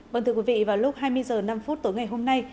vâng thưa quý vị vào lúc hai mươi h năm tối ngày hôm nay